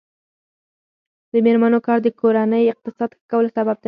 د میرمنو کار د کورنۍ اقتصاد ښه کولو سبب دی.